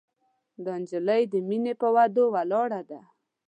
دا جینۍ د مینې پهٔ وعدو ولاړه ده